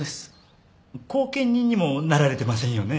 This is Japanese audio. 後見人にもなられてませんよね。